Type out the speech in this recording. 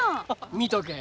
見とけえ。